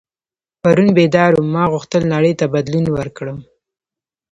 پرون بیدار وم ما غوښتل نړۍ ته بدلون ورکړم.